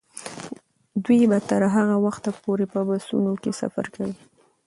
دوی به تر هغه وخته پورې په بسونو کې سفر کوي.